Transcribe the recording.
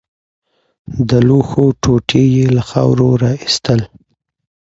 د لوښو ټوټې يې له خاورو راايستل.